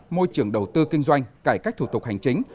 môi trường đầu tư kinh doanh cải cách thủ tục hành chính